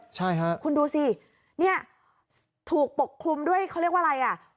ใช่ค่ะคุณดูสิเนี่ยถูกปกคลุมด้วยเขาเรียกว่าอะไรอ่ะ